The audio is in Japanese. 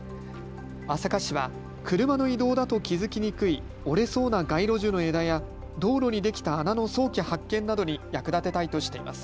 朝霞市は車の移動だと気付きにくい折れそうな街路樹の枝や道路にできた穴の早期発見などに役立てたいとしています。